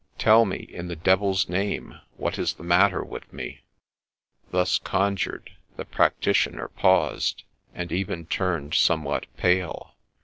Tell me in the devil's name, what is the matter with me !' Thus conjured, the practitioner paused, and even turned somewhat pale.